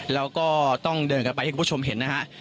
แล้วก็ต้องเดินกันไปให้คุณผู้ชมเห็นนะฮะ